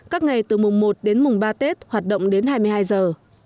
các ngày từ mùng một đến mùng ba tết hoạt động đến hai mươi hai giờ